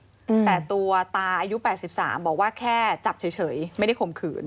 อืมแต่ตัวตาอายุแปดสิบสามบอกว่าแค่จับเฉยเฉยไม่ได้ข่มขืน